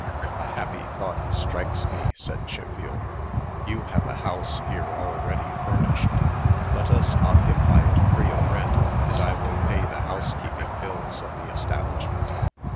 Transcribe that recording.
"A happy thought strikes me," said Chiffield. "You have a house here, already furnished. Let us occupy it free of rent, and I will pay the housekeeping bills of the establishment.